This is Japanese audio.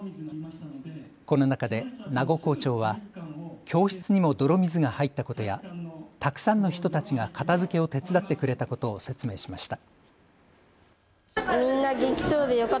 この中で名古校長は教室にも泥水が入ったことやたくさんの人たちが片づけを手伝ってくれたことを説明しました。